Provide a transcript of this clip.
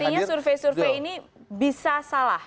artinya survei survei ini bisa salah